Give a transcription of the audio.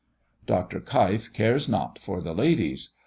Dr. Keif cares not for the ladies.